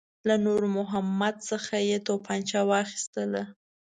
له نور محمد څخه یې توپنچه واخیستله.